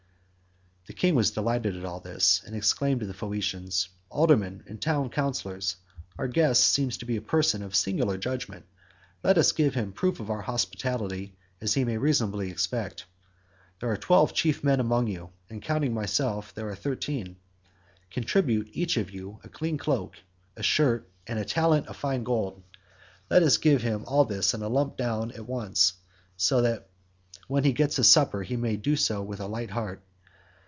The king was delighted at this, and exclaimed to the Phaeacians, "Aldermen and town councillors, our guest seems to be a person of singular judgement; let us give him such proof of our hospitality as he may reasonably expect. There are twelve chief men among you, and counting myself there are thirteen; contribute, each of you, a clean cloak, a shirt, and a talent of fine gold; let us give him all this in a lump down at once, so that when he gets his supper he may do so with a light heart.